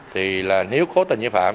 thì là nếu cố tình như vậy